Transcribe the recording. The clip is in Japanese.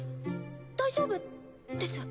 大丈夫です。